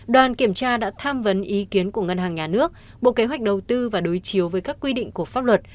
đoàn kiểm tra đã tham vấn ý kiến của ngân hàng nhà nước bộ kế hoạch đầu tư và đối chiếu với các quy định của pháp luật